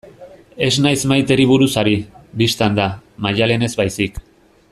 Ez naiz Maiteri buruz ari, bistan da, Maialenez baizik.